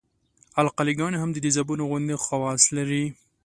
القلي ګانې هم د تیزابونو غوندې خواص لري.